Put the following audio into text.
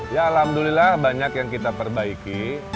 ya alhamdulillah banyak yang kita perbaiki